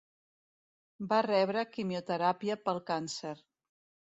Va rebre quimioteràpia pel càncer.